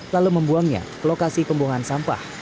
lalu membuangnya ke lokasi pembuangan sampah